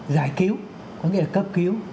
giải cứu có nghĩa là cấp cứu